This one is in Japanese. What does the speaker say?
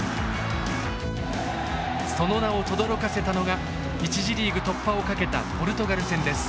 その名をとどろかせたのが１次リーグ突破をかけたポルトガル戦です。